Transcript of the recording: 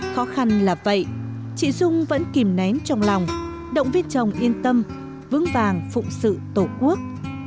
khó khăn là vậy chị dung vẫn kìm nén trong lòng động viên chồng yên tâm vững vàng phụng sự tổ quốc